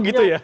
oh gitu ya